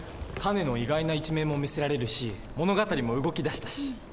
タネの意外な一面も見せられるし物語も動き出したし。